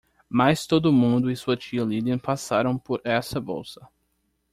Mas todo mundo e sua tia Lilian passaram por essa bolsa.